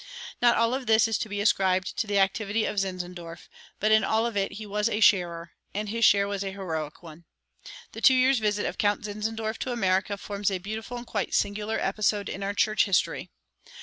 Not all of this is to be ascribed to the activity of Zinzendorf; but in all of it he was a sharer, and his share was a heroic one. The two years' visit of Count Zinzendorf to America forms a beautiful and quite singular episode in our church history.